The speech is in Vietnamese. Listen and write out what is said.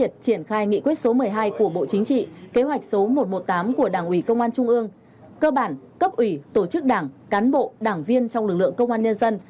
đại diện cấp ủy tổ chức đảng cán bộ đảng viên trong lực lượng công an nhân dân